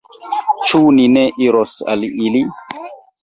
Ĉu ni ne iros al ili?